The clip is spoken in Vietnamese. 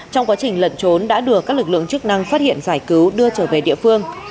trong quá trình lận trốn đã đưa các lực lượng chức năng phát hiện giải cứu đưa trở về địa phương